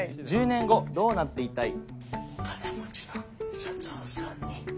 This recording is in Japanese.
「１０年後どうなっていたい？」。